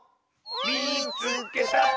「みいつけた！」。